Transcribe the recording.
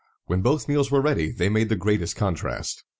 When both meals were ready, they made the greatest contrast.